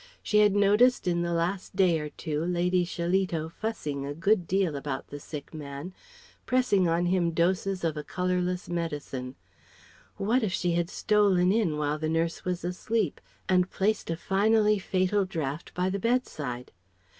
She had noticed in the last day or two Lady Shillito fussing a good deal about the sick man, pressing on him doses of a colourless medicine. _What if she had stolen in while the nurse was asleep and placed a finally fatal draught by the bedside?